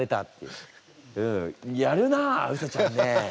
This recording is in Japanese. うんやるなうさちゃんね。